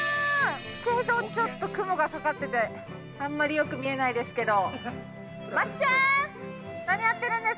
けど、ちょっと雲がかかっててあんまりよく見えないですけど。